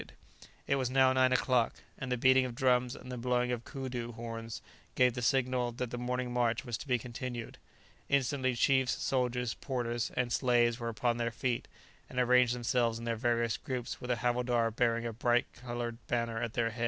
[Illustration: The start was made.] It was now nine o'clock, and the beating of drums and the blowing of coodoo horns gave the signal that the morning march was to be continued. Instantly chiefs, soldiers, porters, and slaves were upon their feet, and arranged themselves in their various groups with a havildar bearing a bright coloured banner at their head.